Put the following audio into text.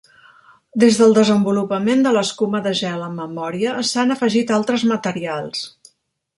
Des del desenvolupament de l'escuma de gel amb memòria, s'han afegit altres materials.